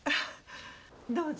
どうぞ。